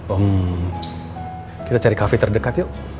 om kita cari kafe terdekat yuk